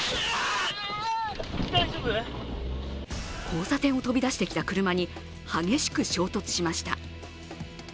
交差点を飛び出してきた車に激しく衝突しました。